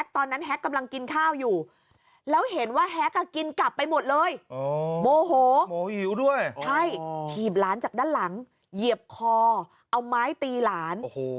ตั้งจากด้านหลังเหยียบคอเอาไม้ตีหลาน